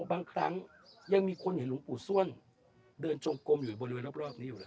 บางครั้งยังมีคนเห็นหลวงปู่ส้วนเดินจงกลมอยู่บริเวณรอบนี้อยู่เลย